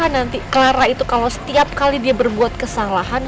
nanti clara itu kalau setiap kali dia berbuat kesalahan